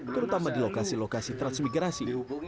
terutama di lokasi lokasi transmigrasi